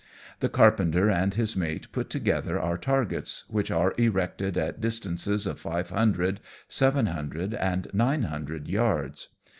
The carpenter and his mate put together our targets, which are erected at distances of five hundred, seven hundred, and nine hundred yards.